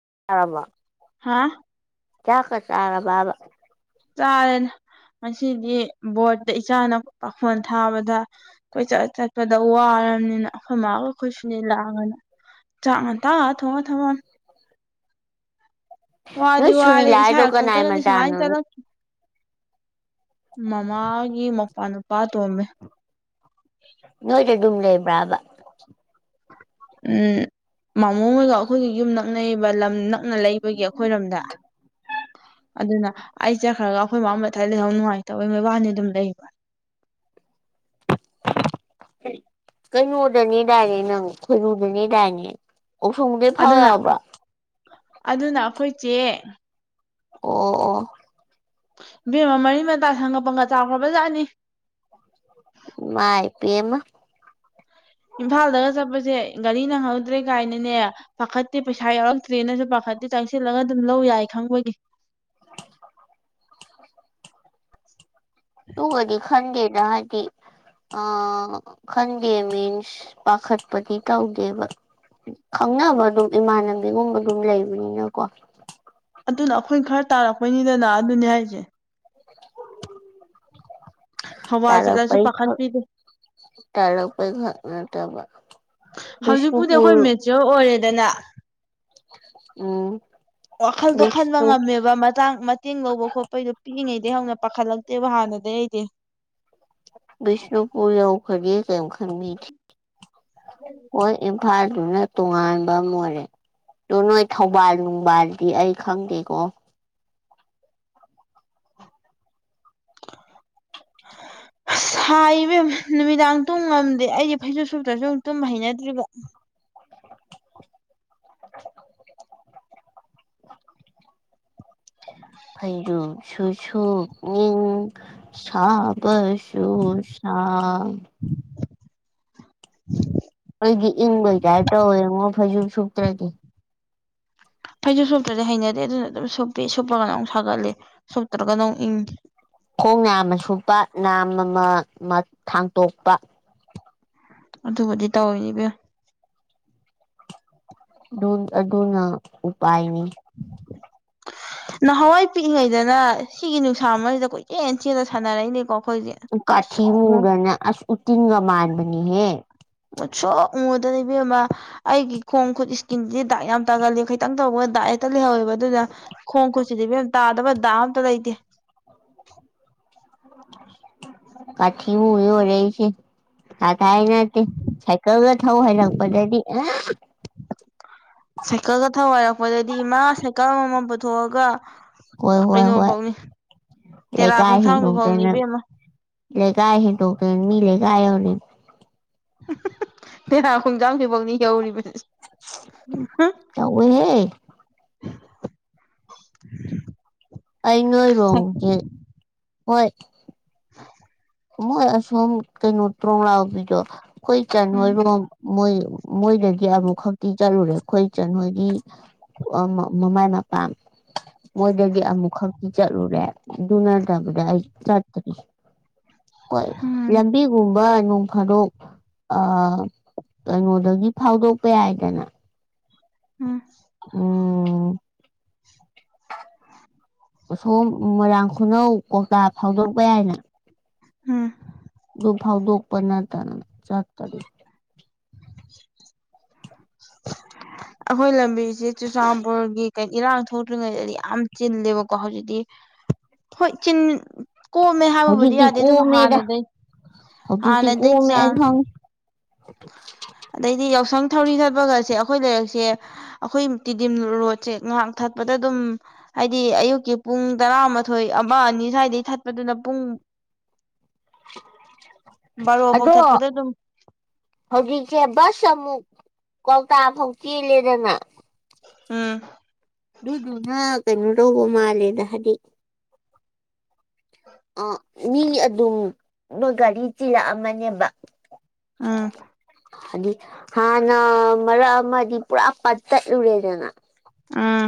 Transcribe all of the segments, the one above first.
[unintelligible] ꯍꯥꯥ ꯆꯥꯛꯀ ꯆꯔꯥꯕꯥꯕ ꯆꯔꯦꯅ ꯉꯁꯤꯗꯤ ꯕꯣꯔꯠꯇ ꯏꯆꯥꯅ ꯄꯥꯈꯣꯟ ꯊꯥꯕꯗ ꯑꯩꯈꯣꯏꯠ ꯆꯠꯄꯗ ꯋꯥꯔ ꯔꯕꯅꯤꯅ ꯑꯩꯈꯣꯏ ꯃꯥꯒ ꯑꯩꯈꯣꯏ ꯁꯨꯅꯤꯂꯥꯡꯒꯅ ꯆꯥꯛ ꯉꯟꯇꯥ ꯊꯣꯡꯉ ꯊꯥꯅꯝꯃꯤ ꯋꯥꯗꯤ ꯅꯣꯏ ꯋꯥꯔꯦ ꯏꯁꯥ ꯁꯨꯅꯤꯂꯥꯗꯣ ꯀꯅꯥꯏ ꯍꯥꯛꯇꯛꯇꯒꯗꯤ ꯃꯆꯥꯅꯣ ꯁꯨꯃꯥꯏꯅ ꯆꯠꯂꯛ ꯃꯃꯥꯒꯤ ꯃꯄꯥ ꯅꯨꯄꯥ ꯇꯣꯝꯃꯦ ꯅꯣꯏꯗꯤ ꯑꯗꯨꯝ ꯂꯩꯕ꯭ꯔꯕ ꯎꯝ ꯃꯥꯥꯃꯣ ꯍꯣꯏꯒ ꯑꯩꯈꯣꯏꯒꯤ ꯌꯨꯝ ꯅꯛꯅꯩꯌꯦꯕꯥ ꯂꯝ ꯅꯛ ꯂꯩꯕꯒꯤ ꯑꯩꯈꯣꯏꯔꯣꯝꯗ ꯑꯗꯨꯅ ꯑꯩ ꯆꯠꯈ꯭ꯔꯒ ꯑꯩꯈꯣꯏ ꯃꯃꯥ ꯃꯊꯥꯏ ꯂꯩꯍꯧ ꯅꯨꯡꯉꯥꯏꯇꯕ ꯃꯣꯏꯕꯥꯅꯤ ꯑꯗꯨꯝ ꯂꯩꯕ [unintelligible] ꯀꯩꯅꯣꯗꯅꯤꯗꯥꯏꯅꯦ ꯅꯪ ꯈꯣꯏꯔꯨꯗꯅꯤꯗꯥꯏꯅꯦ ꯑꯗꯨꯅ ꯑꯗꯨꯅ ꯑꯩꯈꯣꯏ ꯆꯦ ꯑꯣ ꯑꯣ ꯕꯦꯝꯃ ꯃꯔꯤ ꯃꯇꯥ ꯁꯪꯒ ꯄꯪꯒ ꯆꯥꯈ꯭ꯔꯕꯖꯥꯠꯅꯤ ꯃꯥꯏ ꯄꯦꯝꯃꯥ ꯏꯝꯐꯥꯜꯗꯒ ꯆꯠꯄꯁꯦ ꯒꯥꯔꯤ ꯅꯪꯍꯧꯗ꯭ꯔꯦ ꯀꯥꯏꯅꯅꯦ ꯄꯥꯈꯠꯇꯦ ꯄꯩꯁꯥ ꯌꯥꯎꯔꯛꯇ꯭ꯔꯦꯅꯁꯨ ꯄꯥꯈꯠꯦ ꯍꯥꯏꯗꯤ ꯆꯪꯁꯤꯜꯂꯒ ꯑꯗꯨꯝ ꯂꯧ ꯌꯥꯏ ꯈꯪꯕꯒꯤ ꯇꯨꯀꯗꯤ ꯈꯟꯗꯦꯗꯥ ꯗꯤ ꯑ ꯈꯟꯗꯦ ꯃꯤꯟꯁ ꯄꯥꯈꯠꯄꯗꯤ ꯇꯧꯗꯦꯕ ꯈꯪꯅꯕ ꯑꯗꯨꯝ ꯏꯃꯥꯟꯅꯕꯤꯒꯨꯝꯕ ꯑꯗꯨꯝ ꯂꯩꯕꯅꯤꯅꯀꯣ ꯑꯗꯨꯅ ꯑꯩꯈꯣꯏꯅ ꯈꯔ ꯇꯥꯔꯛꯄꯩꯅꯤꯗꯅ ꯑꯗꯨꯅꯤ ꯍꯥꯏꯁꯦ [unintelligible] ꯊꯧꯕꯥꯜ ꯆꯠꯂꯁꯨ ꯇꯥꯜꯂꯛꯄꯩ ꯈꯛ ꯄꯥꯈꯠꯄꯤꯗꯦ ꯇꯥꯜꯂꯛꯄꯩ ꯈꯛ ꯅꯠꯇꯥꯕ ꯍꯧꯖꯤꯛꯄꯨꯗꯤ ꯑꯩꯈꯣꯏ ꯃꯦꯆꯤꯌꯣꯔ ꯑꯣꯏꯔꯦꯗꯅ ꯎꯝ ꯋꯥꯈꯜꯗꯣ ꯈꯟꯕ ꯕꯤꯁꯅꯨ ꯉꯝꯃꯦꯕ ꯃꯇꯥꯡ ꯃꯇꯦꯡ ꯂꯧꯕ ꯈꯣꯠꯄꯩꯗꯣ ꯄꯤꯛꯏꯉꯩꯗ ꯍꯧꯅ ꯄꯥꯈꯠꯂꯛꯇꯦꯕ ꯍꯥꯟꯅꯗꯒꯤ ꯑꯩꯗꯤ ꯕꯤꯁꯅꯨꯄꯨꯔ ꯌꯥꯎꯈꯔꯗꯤ ꯀꫪꯤꯝ ꯈꯟꯕꯤꯗꯦ ꯐꯥꯗꯨꯅ ꯇꯣꯉꯥꯟꯕ ꯑꯣꯏꯔꯦ ꯑꯣ ꯅꯣꯏ ꯊꯧꯕꯥꯜ ꯅꯨꯡꯕꯥꯜꯗꯤ ꯑꯩ ꯈꯪꯗꯦꯀꯣ [unintelligible] ꯁꯥꯏ ꯏꯕꯦꯝꯃꯥ ꯅꯨꯃꯤꯗꯥꯡ ꯇꯨꯝꯉꯝꯗꯦ ꯑꯩꯗꯤ ꯐꯩꯖꯨꯞ ꯁꯨꯞꯇꯁꯨ ꯇꯨꯝꯕ ꯍꯩꯅꯗ꯭ꯔꯤꯕ [unintelligible] ꯐꯩꯖꯨꯞꯁꯨ ꯁꯨꯕꯅꯤꯡ ꯁꯥꯕꯁꯨ ꯁꯨꯁꯥ [unintelligible] ꯑꯩꯗꯤ ꯏꯪꯕꯩ ꯇꯥꯄꯏ ꯇꯧꯋꯦ ꯉꯣ ꯐꯩꯖꯨꯞ ꯁꯨꯄꯇ꯭ꯔꯗꯤ [inaudible] ꯐꯩꯁꯨ ꯁꯣꯇ꯭ꯔꯗꯤ ꯍꯩꯅꯗꯦ ꯑꯗꯨꯅ ꯑꯗꯨꯝ ꯁꯣꯞꯄꯤ ꯁꯨꯞꯄꯒꯅ ꯑꯃꯨꯛ ꯁꯥꯒꯠꯂꯦ ꯁꯣꯛꯇ꯭ꯔꯒ ꯅꯨ ꯏꯪꯦ ꯈꯣꯡ ꯅꯥꯝꯃ ꯁꯨꯞꯄ ꯅꯥꯝ ꯑꯃ ꯊꯥꯡꯇꯣꯛꯄ ꯑꯗꯨꯕꯨꯗꯤ ꯇꯥꯑꯣꯏꯅꯦꯕ ꯑꯗꯨꯣꯅ ꯎꯄꯥꯥꯏꯅꯤ ꯅꯍꯥꯟꯋꯥꯏ ꯄꯤꯛꯏꯉꯩꯗꯅ ꯁꯤꯒꯤ ꯅꯨꯡꯁꯥ ꯑꯃꯁꯤꯗ ꯀꯣꯏꯆꯦꯟ ꯆꯦꯅ ꯁꯥꯟꯅꯔꯛꯏꯅꯦꯀꯣ ꯑꯩꯈꯣꯏꯁꯦ ꯀꯥꯊꯤ ꯃꯨꯁꯨꯛ ꯃꯨ ꯃꯗꯅ ꯑꯁ ꯎꯇꯤꯟꯒ ꯃꯔꯕꯅꯤ ꯍꯦ ꯎꯠꯁꯣꯛ ꯃꯨꯗꯦꯕꯦꯝꯃ ꯑꯩꯒꯤ ꯈꯣꯡ ꯈꯨꯠ ꯏꯁꯀꯤꯟꯗꯤ ꯗꯥꯛ ꯌꯥꯝ ꯇꯥꯒꯜꯂꯤ ꯈꯤꯇꯪ ꯇꯧꯕ ꯑ ꯇ ꯍꯋꯕ ꯑꯗꯨꯗ ꯈꯣꯡ ꯈꯨꯠꯁꯤꯗꯤ ꯃ ꯇꯥꯗꯕ ꯗꯥ ꯑꯝꯇ ꯂꯩꯇꯦ ꯀꯥꯆꯤꯕꯨ ꯏ ꯑꯣꯏꯔꯏꯁꯤ ꯑꯥ ꯇꯥꯏ ꯅꯠꯇ ꯁꯥꯏꯀꯜꯒ ꯊꯧ ꯍꯥꯏ ꯂꯄꯗꯤ ꯁꯀ ꯀ ꯃꯣꯏꯗꯗꯤ ꯏꯃꯥ ꯁꯥꯏꯀꯜ ꯑꯃꯃꯝ ꯄꯨꯊꯣꯛꯑꯒ ꯀꯩꯅꯣꯐꯧꯅꯤ ꯂꯩ ꯇꯦꯔꯥ ꯀꯥꯏ ꯍ ꯇꯣꯛꯇ ꯈꯣꯡꯊꯥꯡꯕꯤꯐꯧꯅꯤ ꯏꯕꯦꯝꯃ ꯂꯩ ꯀꯥꯏ ꯍ ꯇꯣꯛꯇꯦ ꯃꯤ ꯂꯩꯦꯀꯥꯏ ꯌꯧꯅꯤ ꯄꯦꯅꯥ ꯈꯣꯡꯖꯥꯡꯁꯤꯐꯧꯅꯤ ꯌꯧꯔꯤꯕꯁ ꯀ ꯑꯣꯏ ꯍꯦ ꯑꯩꯉꯣꯏꯔꯣꯣꯡꯒꯦ ꯍꯣꯏ ꯃꯣꯏ ꯑꯁꯣꯝ ꯀꯩꯅꯣ ꯇ꯭ꯔꯣ ꯂꯥꯛꯕꯤꯗꯣ ꯑꯩꯈꯣꯏ ꯀꯥꯟ ꯎꯝ ꯍꯣꯏꯔꯣꯝ ꯃꯣꯏ ꯃꯣꯏꯗꯒꯤ ꯑꯃꯨꯛ ꯈꯛꯇꯤ ꯆꯠꯂꯨꯔꯦ ꯑꯩꯈꯣꯏ ꯃꯣꯏꯒꯤ ꯑꯣ ꯃꯃꯃꯥꯏ ꯄꯄ ꯃꯣꯏꯗꯒꯤ ꯑꯃꯨꯛ ꯈꯛꯇꯤ ꯆꯠꯂꯨꯔꯦ ꯑꯗꯨ ꯅꯠꯇꯕꯗ ꯑꯩ ꯆꯠꯇ꯭ꯔꯤ [unintelligible] ꯀꯣꯏ ꯎꯝ ꯂꯕꯤꯒꯨꯝ ꯅꯅꯨꯡ ꯐꯥꯔꯣꯛ ꯑ ꯀꯩꯅꯣꯗꯒꯤ ꯐꯥꯎꯗꯣꯛꯄ ꯌꯥꯏꯗꯅ ꯎꯝ ꯎꯝ ꯁꯣ ꯃꯣꯏꯔꯥꯡ ꯈꯨꯅꯧ ꯀꯧꯇꯥ ꯐꯥꯎꯗꯣꯔꯄ ꯌꯥꯏꯅ ꯎꯝ ꯑꯗꯨꯗꯨ ꯐꯥꯎꯗ ꯎꯄꯔ ꯅ ꯇꯅ ꯆꯥꯥꯛ ꯇꯗꯨ [unintelligible] ꯑꯩꯈꯣꯏ ꯂꯝꯕꯤꯁꯦ ꯆꯨꯔꯆꯥꯟꯄꯨꯔꯒꯤ ꯀ ꯏꯔꯥꯡ ꯊꯣꯛꯇ꯭ꯔꯤꯉꯩꯗꯗꯤ ꯌꯥꯝ ꯆꯤꯜꯂꯦꯕꯀꯣ ꯍꯧꯖꯤꯛꯇꯤ ꯍꯣꯏ ꯆꯤꯟ ꯀꯣꯝꯃꯦ ꯍꯥꯏꯕꯕꯨꯗꯤ ꯍꯧꯖꯤꯛꯇꯤ ꯌꯥꯗꯦ ꯑꯗꯨꯝ ꯀꯣꯝꯃꯦꯗ ꯍꯥꯟꯅꯗꯩ ꯍꯧꯖꯤꯛꯇꯤ ꯍꯥꯟꯅꯗꯒꯤꯩ ꯀꯣꯝꯃꯦ ꯑꯩ ꯆꯥꯡ ꯈꯪꯉꯦ ꯑꯗꯩꯗꯤ ꯌꯥꯎꯁꯪ ꯊꯧꯔꯤ ꯊꯠꯄꯒꯁꯦ ꯑꯩꯈꯣꯏ ꯂꯩꯔꯛꯁꯦ ꯑꯩꯈꯣꯏ ꯇꯤꯗꯤꯝ ꯔꯣꯠꯁꯦ ꯉꯥꯏꯍꯥꯛ ꯊꯠꯄꯗ ꯑꯗꯨꯝ ꯍꯥꯏꯗꯤ ꯑꯌꯨꯛꯀꯤ ꯄꯨꯡ ꯇꯔꯥꯃꯥꯊꯣꯏ ꯑꯃ ꯑꯅꯤ ꯁ꯭ꯋꯥꯏꯗꯩ ꯊꯠꯄꯗꯨꯅ ꯄꯨꯡ ꯕꯥꯔꯣꯐꯥꯎ ꯑꯗꯣ ꯊꯠꯄꯗ ꯑꯗꯨꯝ ꯍꯧꯖꯤꯛꯁꯦ ꯕꯁ ꯑꯃꯨꯛ ꯀꯧꯇꯥ ꯐꯥꯎ ꯆꯦꯜꯂꯦꯗꯅ ꯎꯝ ꯑꯗꯨꯗꯨꯅ ꯀꯩꯅꯣ ꯇꯧꯕ ꯃꯥꯜꯂꯦꯗ ꯍꯥꯏꯗꯤ ꯑ ꯃꯤ ꯑꯗꯨꯅ ꯒꯥꯔꯤ ꯆꯤꯜꯂꯛꯑꯃꯅꯦꯕ ꯑꯥ ꯍꯥꯏ ꯍꯥꯟꯅ ꯃꯔꯛ ꯑꯃꯗꯤ ꯄꯨꯔꯥ ꯄꯠꯠꯇꯠꯂꯨꯔꯦꯗꯅ ꯑꯥ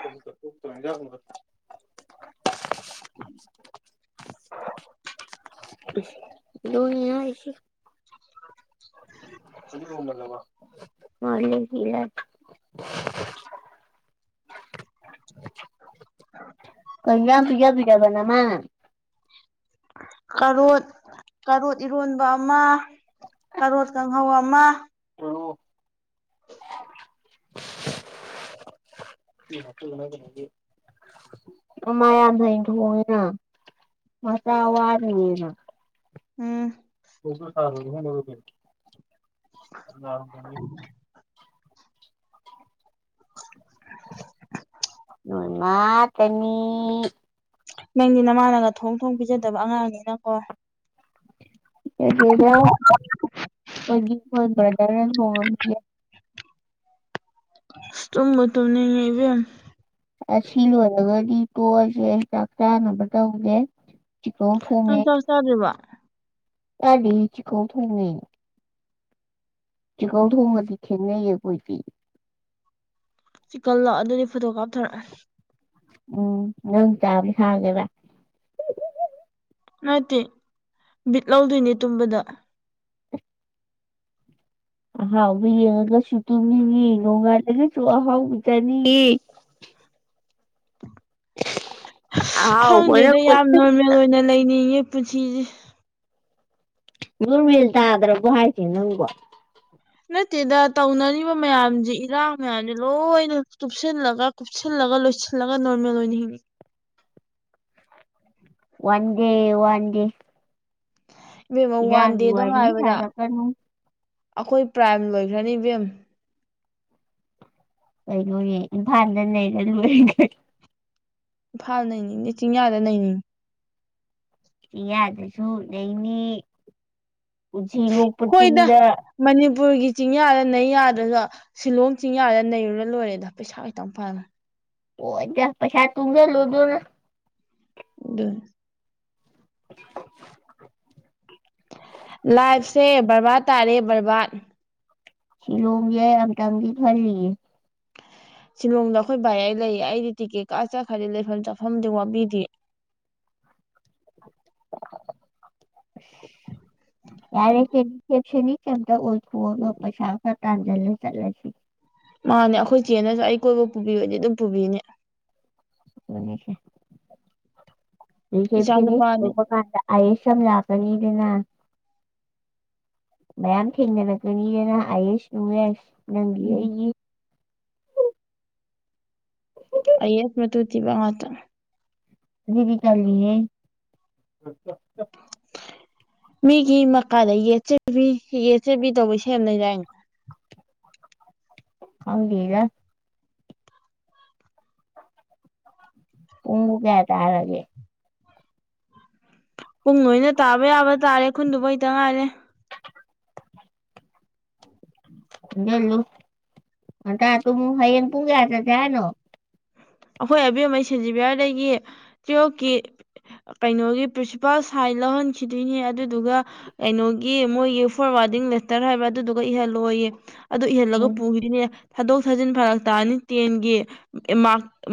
ꯐꯛꯇ ꯐ ꯌꯥ [inaudible] ꯂꯁꯤ [inaudible] ꯃꯥ ꯑ ꯀꯌꯥ ꯄꯌꯥ ꯄꯤꯌꯥꯕꯅꯃ ꯀꯔꯣ ꯀꯔꯣ ꯏꯔꯣꯟꯕ ꯑꯃ ꯀꯔꯣ ꯀꯥꯡꯍꯧ ꯑꯃ [unintelligible] ꯑꯃꯌꯥꯗꯅ ꯃꯇ ꯑꯋꯥꯔꯅꯤꯅ ꯎꯝ ꯇꯔ ꯍꯔ [inaudible] ꯅꯣꯡ ꯃꯥ ꯇꯅꯤ ꯅꯪꯗꯤ ꯅꯃꯥꯟꯅꯒ ꯊꯣꯡ ꯊꯣꯡ ꯄꯤꯖꯗꯕ ꯑꯉꯥꯡꯅꯤꯅꯀꯣ ꯒꯦꯗꯒꯤ꯭ꯔꯗꯔꯅ ꯐꯣꯡꯉꯕꯤ ꯇꯨꯝꯃ ꯇꯅꯤ ꯏꯕ ꯑꯁꯤ ꯂꯣꯏꯔꯒꯗꯤ ꯇꯣꯛꯑꯁꯦ ꯆꯥꯛ ꯆꯥꯅꯕ ꯇꯧꯒꯦ ꯆꯤꯀꯧ ꯅ ꯆꯁ ꯍꯥꯏ꯭ꯕ ꯇꯒꯤꯁꯤ ꯀꯣꯊꯣꯡꯅꯤ ꯆꯀꯧ ꯊꯧ ꯃ ꯏ ꯊꯦꯡꯅꯌꯦ ꯀꯣꯏ ꯆꯤꯛꯀꯜꯂꯣꯑꯣ ꯑꯗꯨꯗꯤ ꯐꯣꯇꯣ ꯀꯥꯞꯊꯣꯔꯛꯑꯅꯤ ꯎꯝ ꯎ ꯇ ꯍꯥꯏꯦꯕ ꯅꯠꯇꯦ ꯕꯤꯠ ꯂꯧꯗꯣꯏꯅꯦ ꯇꯨꯝꯕꯗ ꯑꯍꯥꯎꯕ ꯌꯦꯡꯉꯒꯁꯨ ꯇꯨꯝꯅꯤꯡꯉꯦ ꯅꯣꯡꯉꯥꯜꯂꯒꯁꯨ ꯑꯍꯥꯎꯕ ꯆꯥꯅꯤꯡꯉꯦ [inaudible] ꯑꯍꯥꯎꯕꯅ ꯈꯪꯗꯦꯗꯣ ꯌꯥꯝ ꯀꯣꯏꯆꯠ ꯅꯣꯔꯃꯦꯜ ꯑꯣꯏꯅ ꯂꯩꯅꯤꯡꯉꯤ ꯄꯆꯤ ꯔꯃꯤꯜ ꯇꯥꯗ꯭ꯔꯕꯨ ꯍꯥꯏꯁꯦ ꯅꯪꯀꯣ ꯅꯠꯇꯦꯗ ꯇꯧꯅꯔꯤꯕ ꯃꯌꯥꯝꯁꯦ ꯏꯔꯥꯡ ꯃꯌꯥꯝꯁꯦ ꯂꯣꯏꯅ ꯇꯨꯞꯁꯤꯜꯂꯒ ꯀꯨꯞꯁꯜꯂ ꯂꯒ ꯂꯣꯏ ꯂꯒ ꯅꯔꯃꯦ ꯂꯣꯏꯅꯤ ꯍ ꯋꯥꯟ ꯗꯦ ꯋꯥꯟꯗꯦ ꯕꯦꯝ ꯋꯥꯟ ꯏꯔꯥꯡꯒꯤ ꯗꯦꯗꯣ ꯋꯥꯔꯤ ꯉꯥꯏꯕꯗ ꯁꯥꯔꯛꯀꯅꯨ ꯑꯩꯈꯣꯏ ꯄ꯭ꯔꯥꯏꯝ ꯂꯣꯏꯈ꯭ꯔꯅꯤ ꯕꯦꯝ ꯀꯩꯅꯣ ꯏꯝꯐꯜꯗ ꯂꯩꯔ ꯂꯣꯏ ꯏꯝꯐꯥꯜ ꯅꯩꯅꯅꯤꯡꯉꯦ ꯆꯤꯡꯌꯥꯗ ꯅꯩꯅꯅꯤꯡꯉꯤ ꯏꯌꯥ ꯑꯗꯨꯁꯨꯨ ꯅꯅꯤ ꯁꯤꯤ ꯂꯨꯄ ꯍꯣꯏꯗ ꯆꯤꯡꯗ ꯃꯅꯤꯄꯨꯔꯒꯤ ꯆꯤꯡꯌꯥꯗ ꯅꯩ ꯌꯥꯗ꯭ꯔꯁꯨ ꯁꯤꯂꯣꯡ ꯆꯤꯡꯌꯥꯗ ꯅꯩꯔꯨꯔ ꯂꯣꯏꯔꯦꯗ ꯄꯩꯁꯥ ꯈꯤꯇꯪ ꯐꯉꯦ ꯑꯣꯗ ꯄꯁꯥꯏ ꯇꯨꯒ ꯂꯣ ꯑꯗꯨ ꯗ [unintelligible] [unintelligible] ꯂꯥꯏꯐꯁꯦ ꯕꯔꯕꯥꯔ ꯇꯥꯔꯦ ꯕꯔꯕꯥꯠ ꯁꯤꯂꯣ ꯌꯥ ꯑꯇꯒꯤ ꯐꯌꯦ [unintelligible] ꯁꯤꯂꯣꯡꯗ ꯑꯩꯈꯣꯏ ꯚꯏ ꯑꯩ ꯂꯩꯌꯦ ꯑꯩꯗꯤ ꯇꯤꯛꯀꯦꯠ ꯀꯥ ꯆꯠꯈ꯭ꯔꯗꯤꯦ ꯂꯩꯐꯝ ꯆꯥꯐꯝꯗꯤ ꯋꯥꯕꯤꯗꯦ [inaudible] ꯌꯥꯔꯁ ꯀꯇ ꯑꯣꯁ ꯈ ꯀ꯭ꯔꯥꯖꯜꯅꯦ ꯆꯂꯁꯤ ꯃꯥꯅꯦ ꯑꯩꯈꯣꯏ ꯆꯦꯅꯁꯨ ꯑꯩ ꯀꯣꯏꯕ ꯄꯨꯕꯤꯕꯅꯦ ꯑꯗꯨꯝ ꯄꯨꯕꯤꯅꯦ ꯍꯉꯁ ꯦ ꯏꯆꯥ ꯅꯨꯄꯥꯅꯤ ꯀ ꯑꯌꯦꯁꯝ ꯂꯥꯛꯀꯅꯤꯗꯅ ꯃꯌꯥꯝ ꯊꯦꯡꯗꯅ ꯀꯅꯤꯅ ꯑꯏꯁ ꯅꯅꯨꯡꯑꯁ ꯅꯪꯒꯤ ꯎꯝ ꯑꯩ ꯑꯌꯦꯁ ꯃ ꯇ ꯊꯤꯕ ꯃꯥꯇ ꯑꯗꯨꯗꯤ ꯆꯅꯤꯌꯦ ꯃꯤꯒꯤ ꯃꯀꯥꯗ ꯌꯦꯠꯆꯕꯤ ꯌꯦꯠ ꯆꯕꯤ ꯇꯧꯕꯩ ꯁꯦꯝ ꯂꯩꯗꯥꯏꯩꯅ [inaudible] ꯍꯤꯒ ꯄꯨꯡ ꯀꯌꯥ ꯇꯥ ꯂꯒꯦ ꯄꯨꯡ ꯅ ꯑꯣꯏꯅ ꯇꯥꯕ ꯌꯥꯕ ꯇꯥꯔꯦ ꯈꯨꯟꯗꯨꯕꯨ ꯍꯇ ꯉꯥꯏꯔꯦ [inaudible] ꯦꯂꯨ ꯑ ꯇ ꯇꯨꯨ ꯍꯌꯦ ꯄꯨꯡꯒꯌꯥ ꯆ ꯌꯥꯥꯏ ꯅꯣ ꯑꯩꯈꯣꯏ ꯑꯕꯦꯝꯃꯩ ꯁꯦꯟꯖꯤꯕꯤꯌꯥꯔꯗꯒꯤ ꯇꯨꯋꯜꯐꯀꯤ ꯀꯩꯅꯣꯒꯤ ꯄ꯭ꯔꯤꯟꯁꯤꯄꯥꯜ ꯁꯥꯏ ꯂꯧꯍꯟꯈꯤꯗꯣꯏꯅꯤ ꯑꯗꯨꯗꯨꯒ ꯀꯩꯅꯣꯒꯤ ꯃꯣꯏꯒꯤ ꯐꯣꯔꯋꯥꯔꯗꯤꯡ ꯂꯦꯇꯔ ꯍꯥꯏꯕ꯭ꯔꯥ ꯑꯗꯨꯗꯨꯒ ꯏꯍꯜꯂꯣꯏ ꯌꯦ ꯑꯗꯨ ꯏꯍꯜꯂꯒ ꯎꯝ ꯄꯨꯈꯤꯗꯨꯅꯦ ꯊꯥꯗꯣꯛ ꯊꯥꯖꯤꯟ ꯐꯔꯛ ꯇꯥꯅꯤ ꯇꯦꯟꯒꯤ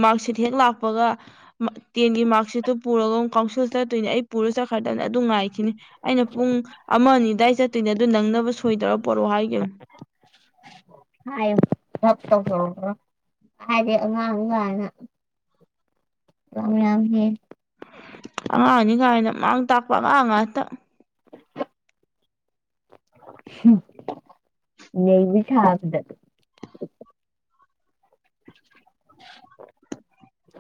ꯃꯥꯔꯛ ꯁꯤꯠ ꯍꯦꯛ ꯂꯥꯛꯄꯒ ꯇꯦꯟꯒꯤ ꯃꯥꯔꯛ ꯁꯤꯠꯇꯨ ꯄꯨꯔꯒ ꯑꯃꯨꯛ ꯀꯥꯎꯟꯁꯤꯜ ꯆꯠꯇꯣꯏꯅꯦ ꯑꯩ ꯄꯨꯔ ꯆꯠꯈ꯭ꯔꯗꯕꯅꯤ ꯑꯗꯨ ꯉꯥꯏꯈꯤꯅꯦ ꯑꯩꯅ ꯄꯨꯡ ꯑꯃ ꯑꯅꯤ ꯑ ꯑꯗꯨꯋꯥꯏ ꯆꯠꯇꯣꯏꯅꯦ ꯑꯗꯨ ꯅꯪꯅꯕ ꯁꯣꯏꯗꯔ ꯄꯔꯣ ꯍꯥꯏ ꯍꯥꯏꯒ ꯊꯞ ꯇꯧꯕꯧꯕ꯭ꯔꯣ ꯍꯥꯏꯗꯤ ꯑꯉꯥꯡꯒꯅ ꯑꯝꯝ ꯍ ꯑꯉꯥꯡ ꯑꯅꯤ ꯀꯥꯏꯅ ꯃꯥꯡ ꯇꯥꯛꯄ ꯑꯉꯥꯡ ꯉꯥꯛꯇ ꯅ ꯊꯥꯄꯗ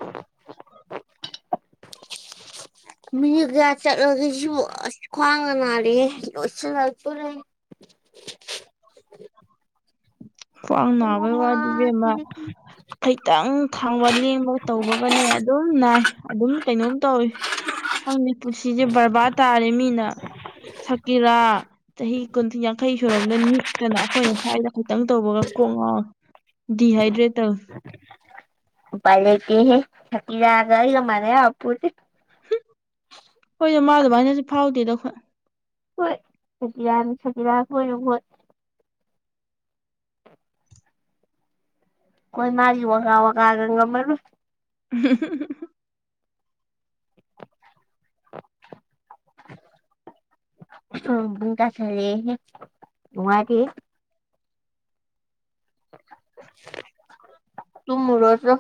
[inaudible] ꯃꯤꯒ ꯆꯠꯂꯤꯒꯤꯁꯨ ꯑꯁꯤ ꯈꯨꯋꯥꯡꯒ ꯅꯥꯔꯤꯍꯦ ꯂꫭꯏꯁꯤꯜ ꯂꯛꯇꫭꯔꯦ [inaudible] ꯄꯅꯕ ꯀꯩꯅꯣꯃ ꯋꯥꯗꯕꯃ ꯁꯤꯗꯤ ꯈꯩꯇꯪ ꯊꯥꯡꯕ ꯂꯦꯡꯕ ꯇꯧꯕꯒꯅꯦ ꯑꯗꯨꯝ ꯅꯥꯏ ꯑꯗꯨꯝ ꯀꯩꯅꯣꯝ ꯇꯧꯋꯤ ꯈꯪꯅꯤ ꯄꯨꯟꯁꯤꯁꯦ ꯕꯔꯕꯥꯔ ꯇꯥꯔꯦ ꯃꯤꯅ ꯁꯀꯤꯔꯥ ꯆꯍꯤ ꯀꯨꯟ ꯌꯥꯡꯈꯩ ꯁꯨꯔ ꯗ ꯅꯤꯛꯇꯅ ꯑꯩꯈꯣꯏꯅ ꯁ꯭ꯋꯥꯏꯗ ꯈꯤꯇꯪ ꯇꯧꯕꯒ ꯀꯣꯛꯉ ꯗꯤꯍꯥꯏꯗ꯭ꯔꯦꯇꯜ ꯄꯂꯦꯇ ꯊꯀꯤꯔꯒꯒ ꯃꯔꯦ ꯑꯄꯨꯗꯤ ꯍꯣꯏꯗ ꯃꯥꯗꯚꯅꯁꯨ ꯐꯥꯎꯗꯦꯗꯣꯏ ꯍꯣꯏ ꯁꯖꯤꯔ ꯁꯖꯤꯔ ꯍꯣꯏ ꯍꯣꯏ ꯀꯣꯏ ꯃꯥꯒꯤ ꯋꯥꯀꯥ ꯋꯥꯀꯥꯒ ꯉꯝꯃꯔꯣꯏ [inaudible] [inaudible] ꯀꯁꯔꯦ [unintelligible] ꯄꯨꯡ ꯇꯥꯁꯜꯂꯦꯌꯦ ꯅꯨꯉꯥꯏ ꯇꯨꯝꯃꯨꯔꯣꯆꯣ